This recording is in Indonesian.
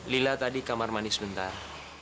lila tadi kamar manis bentar